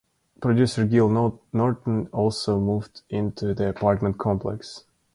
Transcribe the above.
Producer Gil Norton also moved into the apartment complex.